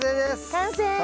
完成！